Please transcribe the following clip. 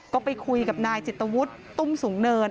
ก็ไปคุยกับนายจิตวุฒิตุ้มสูงเนิน